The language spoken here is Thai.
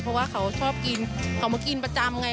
เพราะว่าเขาชอบกินเขามากินประจำไง